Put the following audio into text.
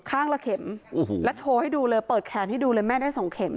ข้างละเข็มโอ้โหแล้วโชว์ให้ดูเลยเปิดแขนให้ดูเลยแม่ได้สองเม็